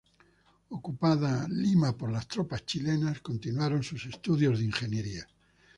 Ocupada Lima por las tropas chilenas, continuó sus estudios de ingeniería.